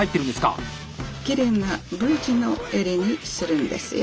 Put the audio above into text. きれいなＶ字の襟にするんですよ。